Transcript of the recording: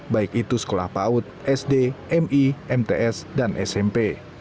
baik itu sekolah paut sd mi mts dan smp